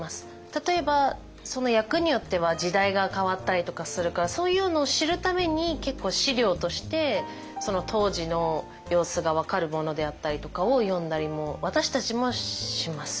例えばその役によっては時代が変わったりとかするからそういうのを知るために結構資料としてその当時の様子が分かるものであったりとかを読んだりも私たちもします。